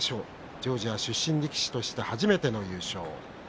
ジョージア出身力士として初めての優勝。